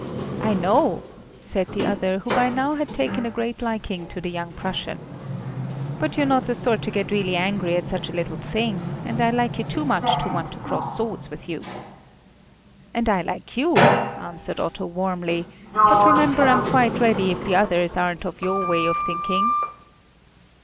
"I know," said the other, who by now had taken a great liking to the young Prussian. "But you're not the sort to get really angry at such a little thing, and I like you too much to want to cross swords with you." "And I like you," answered Otto warmly, "but remember I'm quite ready if the others aren't of your way of thinking."